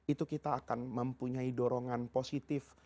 itu kita akan mempunyai dorongan positif